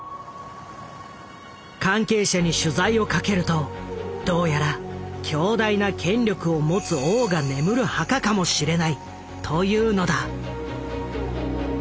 関係者に取材をかけるとどうやら強大な権力を持つ王が眠る墓かもしれないというのだ。